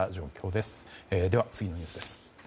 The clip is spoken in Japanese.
では、次のニュースです。